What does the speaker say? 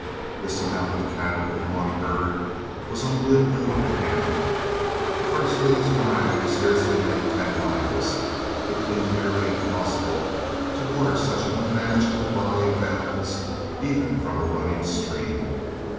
This amount of cattle in one herd was unwieldy to handle. The first day's drive we scarcely made ten miles, it being nearly impossible to water such an unmanageable body of animals, even from a running stream.